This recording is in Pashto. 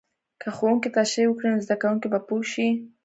که ښوونکی تشریح وکړي، نو زده کوونکی به پوه شي.